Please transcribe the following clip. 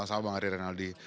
saya juga suka bang ari rinaldi